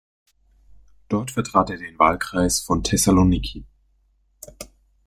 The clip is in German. Dort vertrat er den Wahlkreis von Thessaloniki.